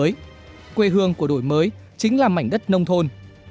mới quê hương của đổi mới chính là mảnh đất nông thôn